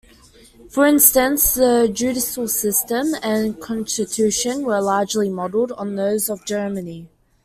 For instance, the judicial system and constitution were largely modeled on those of Germany.